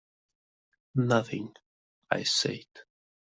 "Nothing," I said.